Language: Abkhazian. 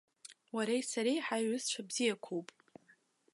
Уареи сареи ҳаиҩызцәа бзиақәоуп.